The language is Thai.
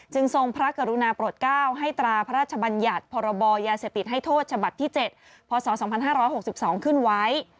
ทรงพระกรุณาโปรด๙ให้ตราพระราชบัญญัติพรบยาเสพติดให้โทษฉบับที่๗พศ๒๕๖๒ขึ้นไว้